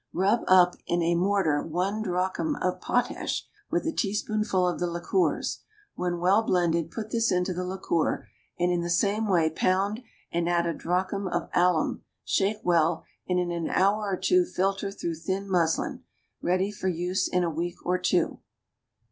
Rub up in a mortar one drachm of potash, with a teaspoonful of the liqueurs; when well blended, put this into the liqueur, and in the same way pound and add a drachm of alum, shake well, and in an hour or two filter through thin muslin. Ready for use in a week or two.